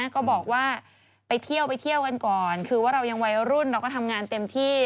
ก็บอกว่าไปเที่ยวไปเที่ยวกันก่อนคือว่าเรายังวัยรุ่นเราก็ทำงานเต็มที่